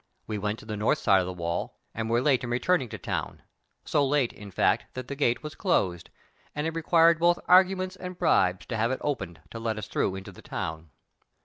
We went to the north side of the wall, and were late in return ing to town, so late, in fact, that the gate was closed, and it required both arguments and bribes to have it opened to let us through into the town.